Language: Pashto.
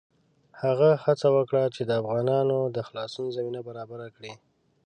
هغه هڅه وکړه چې د افغانانو د خلاصون زمینه برابره کړي.